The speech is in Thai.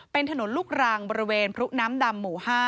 เป็นถนนลูกรังบริเวณพรุน้ำดำหมู่๕